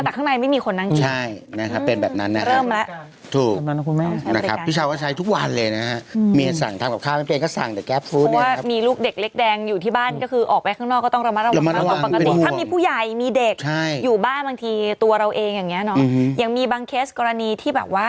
แต่ข้างในไม่มีคนนั่งใช่นะครับเป็นแบบนั้นนะครับครับ